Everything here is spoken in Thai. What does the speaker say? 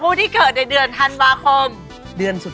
สรุปแล้วเดือนสิงหาคม